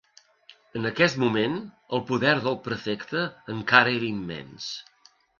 En aquest moment, el poder del prefecte encara era immens.